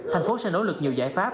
tp hcm sẽ nỗ lực nhiều giải pháp